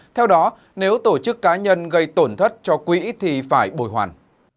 theo đó nếu tổ chức cá nhân gây tổn thất cho quỹ thì phải bồi hoàn